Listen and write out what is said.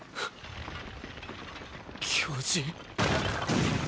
巨人⁉